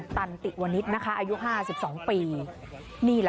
คุณผู้ชมคุณผู้ชมคุณผู้ชม